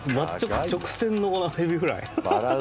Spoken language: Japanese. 直線のこのエビフライ。